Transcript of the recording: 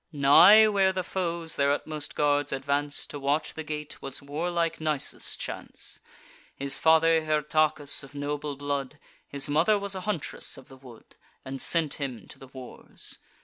Nigh where the foes their utmost guards advance, To watch the gate was warlike Nisus' chance. His father Hyrtacus of noble blood; His mother was a huntress of the wood, And sent him to the wars.